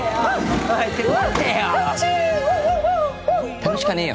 楽しかねえよ。